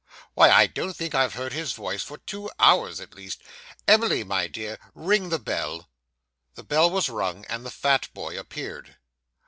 Why, I don't think I've heard his voice for two hours at least. Emily, my dear, ring the bell.' The bell was rung, and the fat boy appeared.